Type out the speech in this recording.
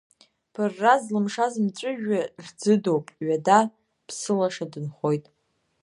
Ԥырра злымшаз мҵәыжәҩа хьӡыдоуп, Ҩада Ԥсылаша дынхоит.